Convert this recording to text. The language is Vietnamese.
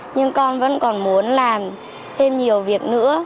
nhưng con vẫn còn muốn làm thêm nhiều việc nữa